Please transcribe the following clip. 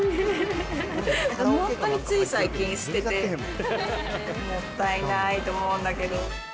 本当につい最近捨てて、もったいないと思うんだけど。